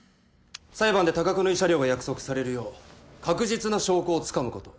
裁判で多額の慰謝料が約束されるよう確実な証拠をつかむこと。